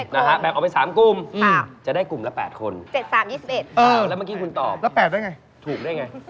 นะฮะแบบเอาเป็น๓กลุ่มจะได้กลุ่มละ๘คนแล้วเมื่อกี้คุณตอบถูกได้ไง